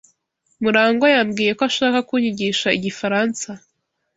Murangwa yambwiye ko ashaka kunyigisha igifaransa.